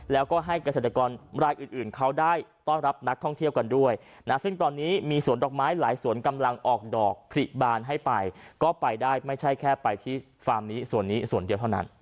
แล้วก็ให้เกษตรกรรายอื่นเขาได้ต้อนรับนักท่องเที่ยวกันด้วยนะซึ่งตอนนี้มีสวนดอกไม้หลายสวนกำลังออกดอกผลิบานให้ไปก็ไปได้ไม่ใช่แค่ไปที่ฟาร์มนี้ส่วนนี้ส่วนเดียวเท่านั้น